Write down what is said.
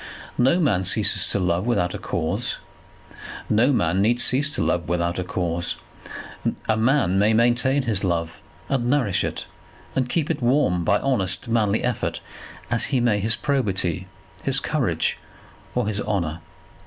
No man ceases to love without a cause. No man need cease to love without a cause. A man may maintain his love, and nourish it, and keep it warm by honest manly effort, as he may his probity, his courage, or his honour.